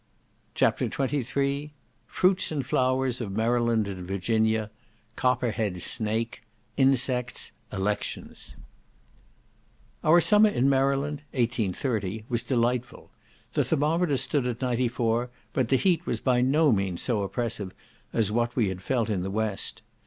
CHAPTER XXIII Fruits and Flowers of Maryland and Virginia—Copper head Snake—Insects—Elections Our summer in Maryland, (1830), was delightful. The thermometer stood at 94, but the heat was by no means so oppressive as what we had felt in the West.